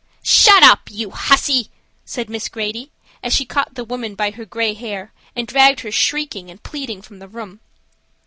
"Shut up, you hussy!" said Miss Grady as she caught the woman by her gray hair and dragged her shrieking and pleading from the room.